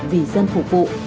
vì dân phục vụ